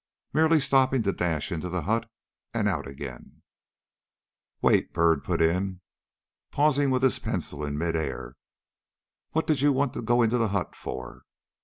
Merely stopping to dash into the hut and out again " "Wait!" put in Byrd, pausing with his pencil in mid air; "what did you want to go into the hut for?"